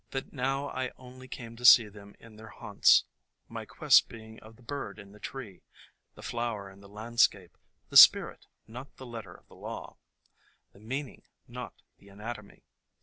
That now I only came to see them in their haunts; my quest being of the bird in the tree, the flower in the landscape, — the spirit, not the letter of the law ; the meaning, not the anatomy.